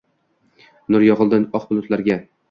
Nur yog’ildi oq bulutlarga.